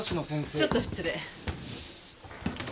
ちょっと失礼。